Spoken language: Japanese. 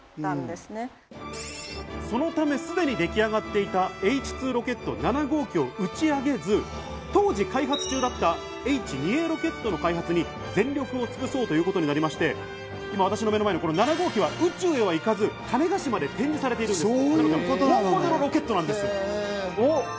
そのため、既に出来上がっていたＨ‐２ロケット７号機を打ち上げず、当時開発中だった、Ｈ‐２Ａロケットの開発に全力を尽くそうということになりまして、今、私の目の前の７号機は宇宙へは行かず、種子島で展示されているんです。